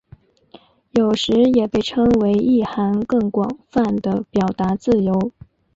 有时也被称为意涵更广泛的表达自由。